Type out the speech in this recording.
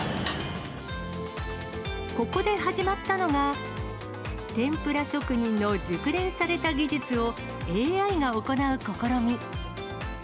ここで始まったのが、天ぷら職人の熟練された技術をＡＩが行う試み。